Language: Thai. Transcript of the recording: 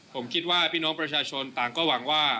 ผมคิดว่าพี่น้องประชาชนต่างก็หวังว่า